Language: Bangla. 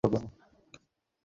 অ্যাডাম, ও ডেরেক।